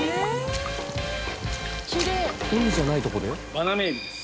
バナメイエビです。